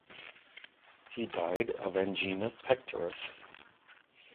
He died of angina pectoris.